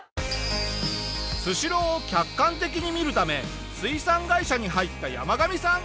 スシローを客観的に見るため水産会社に入ったヤマガミさん。